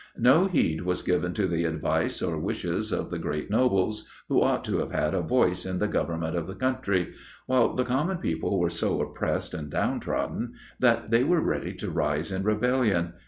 No heed was given to the advice or wishes of the great nobles, who ought to have had a voice in the government of the country, while the common people were so oppressed and down trodden that they were ready to rise in rebellion.